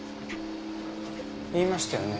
言いましたよね。